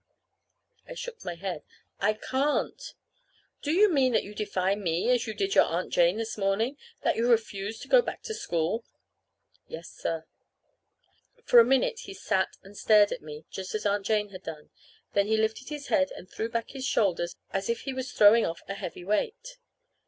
I shook my head. "I can't." "Do you mean that you defy me as you did your Aunt Jane this morning? that you refuse to go back to school?" "Yes, sir." For a minute he sat and stared at me just as Aunt Jane had done; then he lifted his head and threw back his shoulders as if he was throwing off a heavy weight.